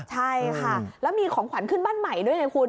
ใช่ค่ะแล้วมีของขวัญขึ้นบ้านใหม่ด้วยไงคุณ